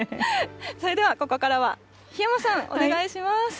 それではここからは檜山さん、お願いします。